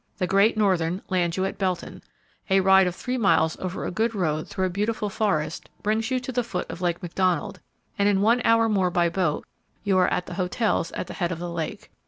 The Great Northern lands you at Belton. A ride of three miles over a good road through a beautiful forest brings you to the foot of Lake McDonald, and in one hour more by boat you are at the hotels at the head of the lake.